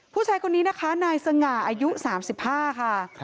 ผู้ชายคนนี้นะคะนายสง่าอายุ๓๕ค่ะ